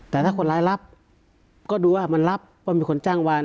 แต่ถ้าคนร้ายรับก็ดูว่ามันรับว่ามีคนจ้างวาน